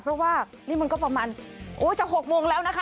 เพราะว่านี่มันก็ประมาณโอ้จะ๖โมงแล้วนะคะ